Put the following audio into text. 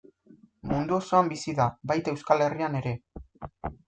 Mundu osoan bizi da, baita Euskal Herrian ere.